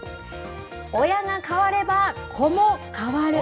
親が変われば子も変わる。